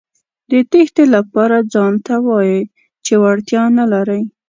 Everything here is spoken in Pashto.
د تېښتې لپاره ځانته وايئ چې وړتیا نه لرئ.